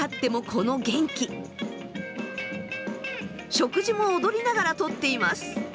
食事も踊りながらとっています。